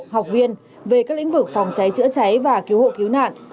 học viên về các lĩnh vực phòng cháy chữa cháy và cứu hộ cứu nạn